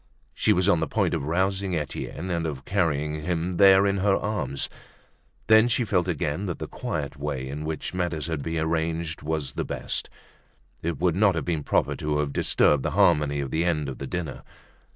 She was on the point of rousing Etienne and of carrying him there in her arms. Then she again felt that the quiet way in which matters had been arranged was the best. It would not have been proper to have disturbed the harmony of the end of the dinner.